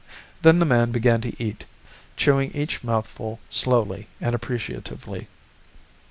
Then the man began to eat, chewing each mouthful slowly and appreciatively.